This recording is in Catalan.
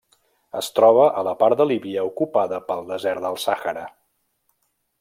Es troba en la part de Líbia ocupada pel desert del Sàhara.